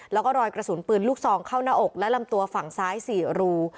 แล้วก็รอยกระสุนปืนลูกซองเข้าหน้าอกและลำตัวฝั่งซ้าย๔รู